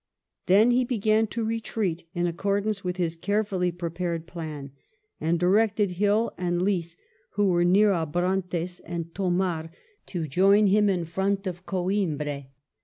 Then he began to retreat in accordance with his carefully prepared plan, and directed Hill and Leith, who were near Abrantes and Thomar, to join him in front of Coimbra.